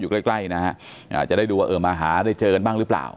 ใกล้ใกล้นะฮะจะได้ดูว่าเออมาหาได้เจอกันบ้างหรือเปล่า